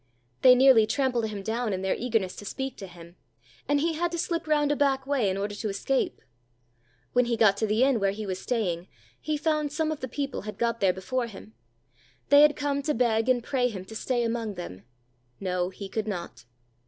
They nearly trampled him down in their eagerness to speak to him, and he had to slip round a back way in order to escape. When he got to the inn where he was staying, he found some of the people had got there before him; they had come to beg and pray him to stay among them. No, he could not.